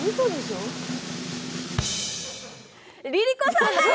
ＬｉＬｉＣｏさんです！